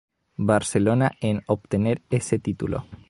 Barcelona, en obtener ese título.